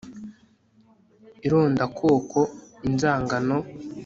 irondakoko, inzangano